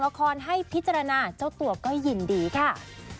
ส่งละครให้พิจารณาสามารถดีด้วย